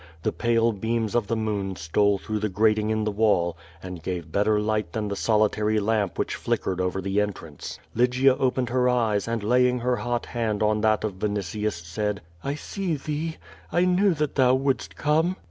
The pale beams of the moon stole through the grating in the wall and gave better light than the solitary lamp which flick ered over the entrance. Lygia opened her eyes and laying her hot hand on that of Vinitius, said: "I see thee. I knew that thou wouldst come.